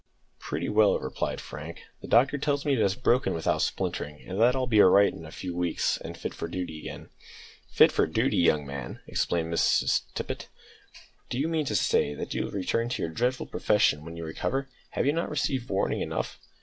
"Pretty well," replied Frank; "the doctor tells me it has broken without splintering, and that I'll be all right in a few weeks, and fit for duty again." "Fit for duty, young man!" exclaimed Miss Tippet; "do you mean to say that you will return to your dreadful profession when you recover? Have you not received warning enough?"